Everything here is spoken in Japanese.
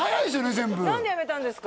全部何で辞めたんですか？